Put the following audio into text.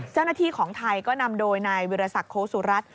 เจ้าหน้าที่ของไทยก็นำโดยนายวิรสักโคสุรัตน